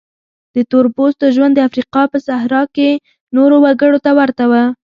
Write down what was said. د تور پوستو ژوند د افریقا په صحرا کې نورو وګړو ته ورته و.